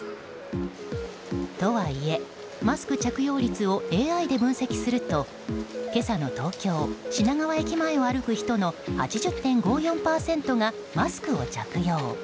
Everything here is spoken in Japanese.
とはいえ、マスク着用率をＡＩで分析すると今朝の東京・品川駅前を歩く人の８０．５４％がマスクを着用。